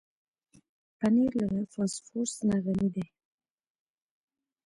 پنېر له فاسفورس نه غني دی.